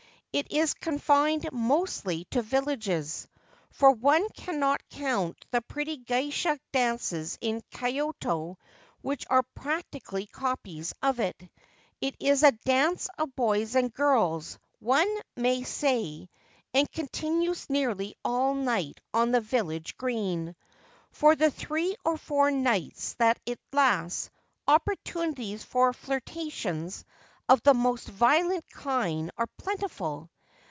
It is confined mostly to villages — for one cannot count the pretty geisha dances in Kyoto which are practically copies of it. It is a dance of boys and girls, one may say, and continues nearly all night on the village green. For the three or four nights that it lasts, opportunities for flirtations of the most violent kind are plentiful.